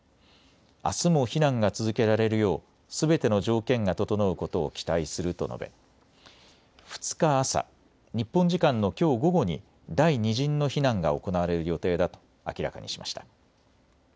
あすも避難が続けられるようすべての条件が整うことを期待すると述べ２日朝、日本時間のきょう午後に第２陣の避難が行われる予定だと明らかにしました。